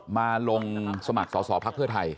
มาลงสมัครสอสอภักดิ์เพื่อไทย